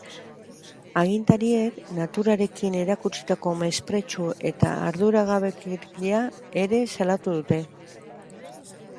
Agintariek «naturarekin erakutsitako mespretxu eta arduragabekeria» ere salatu dute.